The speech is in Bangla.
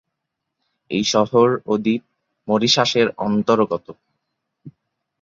এই শহর ও দ্বীপ মরিশাসের অন্তর্গত।